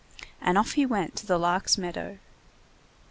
And off he went to the Lark's meadow.